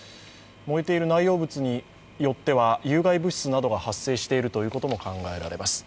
燃えている内容物によっては有害物質などが発生しているということも考えられます。